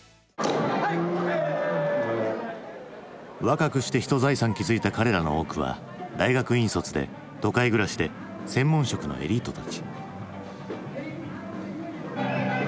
若くしてひと財産築いた彼らの多くは大学院卒で都会暮らしで専門職のエリートたち。